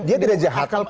dia tidak jahat